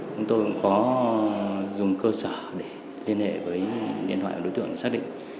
chúng tôi cũng có dùng cơ sở để liên hệ với điện thoại của đối tượng để xác định